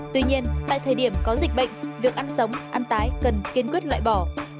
tuy nhiên tại thời điểm có dịch bệnh việc ăn sống ăn tái cần kiên quyết loại bỏ